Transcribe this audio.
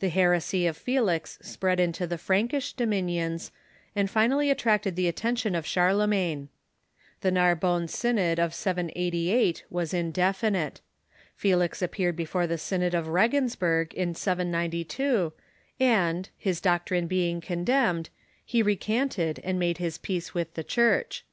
The her esy of Felix spread into the Frankish dominions, and finally attracted the attention of Charlemagne. The Narbonne Sj^i od of 788 was indefinite. Felix appeared before the Synod of Regensburg in 792, and, his doctrine being condemned, he re canted and made iiis peace with the Church.